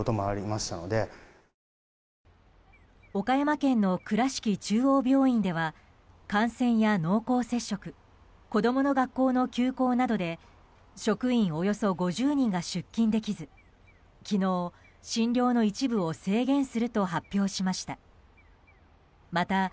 岡山県の倉敷中央病院では感染や濃厚接触子供の学校の休校などで職員およそ５０人が出勤できず昨日、診療の一部を制限すると発表しました。